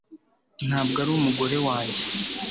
ntabwo ari umugore wanjye